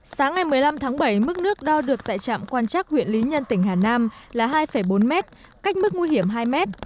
sáng ngày một mươi năm tháng bảy mức nước đo được tại trạm quan trác huyện lý nhân tỉnh hà nam là hai bốn mét cách mức nguy hiểm hai mét